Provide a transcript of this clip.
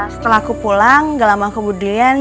setelah aku pulang gak lama kemudian